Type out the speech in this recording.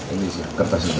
ini sih kertas ini